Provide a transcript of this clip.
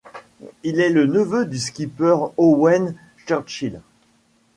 Il est le neveu du skipper Owen Churchill.